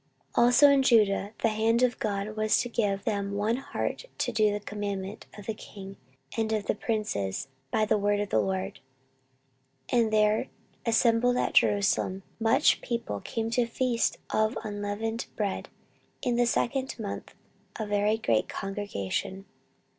14:030:012 Also in Judah the hand of God was to give them one heart to do the commandment of the king and of the princes, by the word of the LORD. 14:030:013 And there assembled at Jerusalem much people to keep the feast of unleavened bread in the second month, a very great congregation.